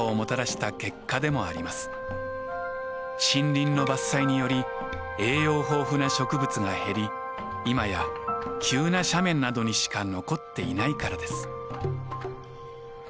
森林の伐採により栄養豊富な植物が減り今や急な斜面などにしか残っていないからです。